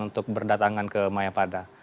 untuk berdatangan ke mayapada